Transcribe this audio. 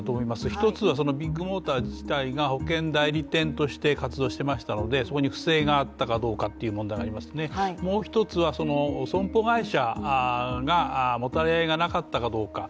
１つはビッグモーター自体が保険代理店として活動していましたのでそこに不正があったかどうかっていう問題がありますね、もう一つが損保会社がもたれ合いがなかったかどうか。